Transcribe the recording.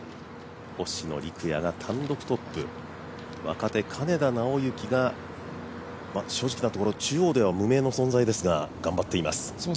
星野陸也が単独トップ若手・金田直之が正直なところ、中央では無名の存在ですが頑張っています。